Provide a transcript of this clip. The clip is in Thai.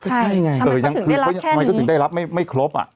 ใช่ทำไมเขาถึงได้รับแค่นี้ไม่ครบ